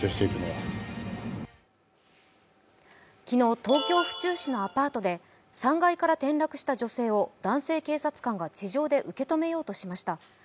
昨日、東京・府中市のアパートで３階から転落した女性を男性警察官が地上で受け止めようとしました。